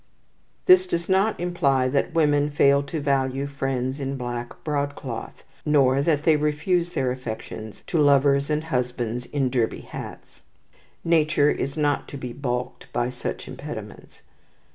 This does not imply that women fail to value friends in black broadcloth, nor that they refuse their affections to lovers and husbands in derby hats. Nature is not to be balked by such impediments.